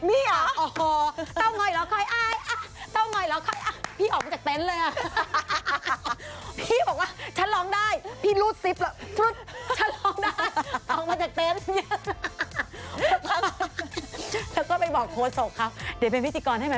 มีปีนี้ไม่รู้ใครมาแต่เพียงเต๋อง้อย